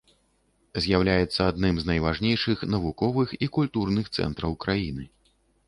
З'яўляецца адным з найважнейшых навуковых і культурных цэнтраў краіны.